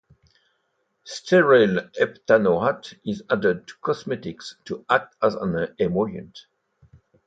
Stearyl heptanoate is added to cosmetics to act as an emollient.